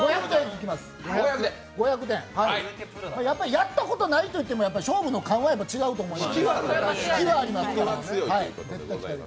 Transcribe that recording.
やったことないといっても勝負の勘は違うと思うので。